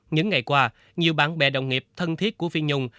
những ngày qua nhiều bạn bè đồng nghiệp thân thiết của phiên nhung